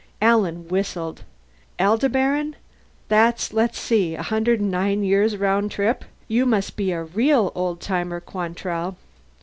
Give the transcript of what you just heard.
Alan whistled. "Aldebaran! That's let's see, 109 years round trip. You must be a real old timer, Quantrell!"